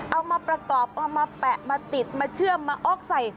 เอามาประกอบเอามาแปะมาติดมาเชื่อมมาออกใส่